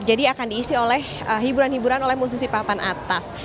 akan diisi oleh hiburan hiburan oleh musisi papan atas